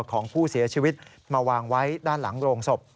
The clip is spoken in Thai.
ของผู้เสียชีวิตมาวางไว้ด้านหลังโรงศพ